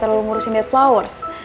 gak terlalu ngurusin dead flowers